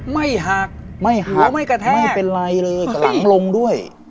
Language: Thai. ไม่หักไม่หัวไม่กระแทกไม่เป็นไรเลยหลังลงด้วย